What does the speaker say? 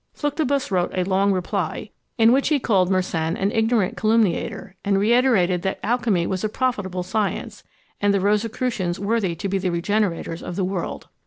Fluctibus wrote a long reply, in which he called Mersenne an ignorant calumniator, and reiterated that alchymy was a profitable science, and the Rosicrucians worthy to be the regenerators of the world.